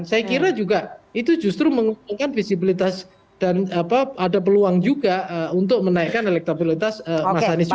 saya kira juga itu justru mengumpulkan visibilitas dan ada peluang juga untuk menaikkan elektabilitas mas anies